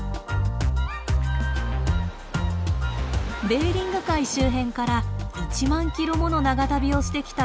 ベーリング海周辺から１万キロもの長旅をしてきたクジラたち。